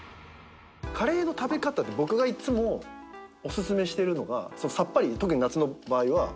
カレーの食べ方で僕がいつもおすすめしてるのがさっぱり特に夏の場合は。